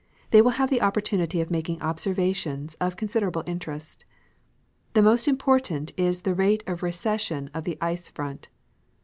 They will have the o])iiortnnity of making observations of con siderable interest. The most impoi'tant is the rate of recession of the ice front.